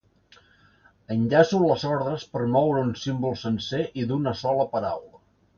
Enllaço les ordres per moure un símbol sencer i d'una sola paraula.